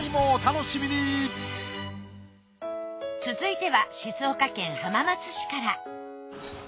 すごい！続いては静岡県浜松市から。